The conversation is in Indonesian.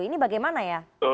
ini bagaimana ya